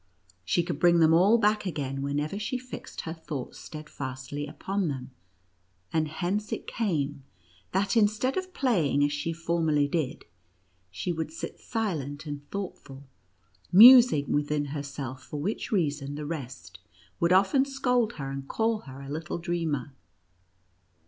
She could bring them all back again, whenever she fixed her thoughts steadfastly upon them, and hence it came, that, instead of playing, as she formerly did, she would sit silent and thoughtful, musing within her O 7 O self, for which reason the rest would often scold her, and call her a little dreamer.